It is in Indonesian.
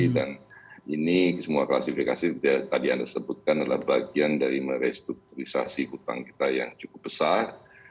dan ini semua klasifikasi yang tadi anda sebutkan adalah bagian dari merestrukturisasi hutang kita yang cukup besar